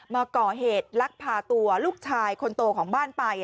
มาก่อเหตุลักพาตัวลูกชายคนโตของบ้านไป